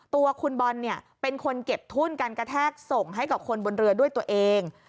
ตัวคุณบอลเนี่ยเป็นคนเก็บทุ่นการกระแทกส่งให้กับคนบนเรือด้วยตัวเอง